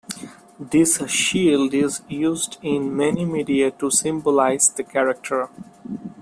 This shield is used in many media to symbolize the character.